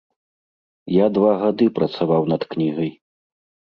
Я два гады працаваў над кнігай.